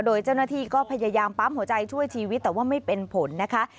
โดยเจ้าหน้าที่ก็พยายามปั๊มหัวใจช่วยชีวิตแต่ว่าไม่เป็นผลนะคะ